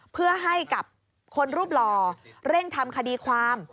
เพื่อให้กับคนรูปหล่อเร่งทำคดีความ